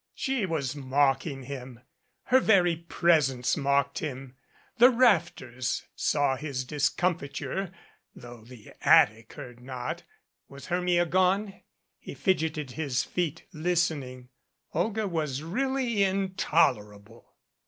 She was mocking him. Her very pres ence mocked him. The rafters saw his discomfiture, though the attic heard not. Was Hermia gone? He fidgeted his feet, listening. Olga was really intolerable.